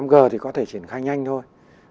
năm g thì có thể triển khai nhanh thôi